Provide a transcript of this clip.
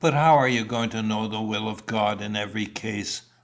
"But how are you to know the will of God in every case?"